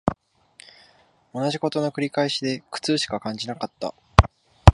同じ事の繰り返しで苦痛しか感じなかった